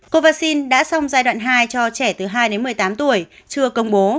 cô vaccine đã xong giai đoạn hai cho trẻ từ hai đến một mươi tám tuổi chưa công bố